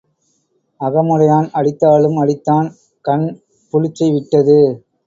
அகமுடையான் அடித்தாலும் அடித்தான் கண் புளிச்சை விட்டது.